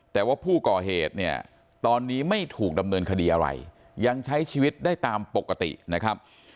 แต่ว่าผู้ก่อเหตุเนี่ยตอนนี้ไม่ถูกดำเนินคดีอะไรยังใช้ชีวิตได้ตามปกตินะครับ